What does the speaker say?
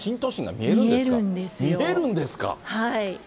見えるんですか。